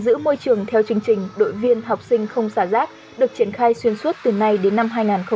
giữ môi trường theo chương trình đội viên học sinh không xả rác được triển khai xuyên suốt từ nay đến năm hai nghìn hai mươi